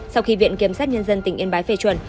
sau khi viện kiểm sát nhân dân tỉnh yên bái phê chuẩn